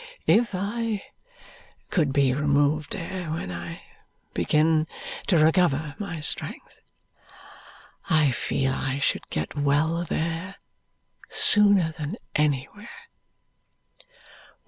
If I could be removed there when I begin to recover my strength, I feel as if I should get well there sooner than anywhere."